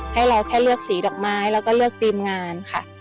ให้เราแค่เลือกสีดอกไม้แล้วก็เลือกทีมงานค่ะ